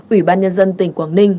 ủy ban nhân dân tỉnh quảng ninh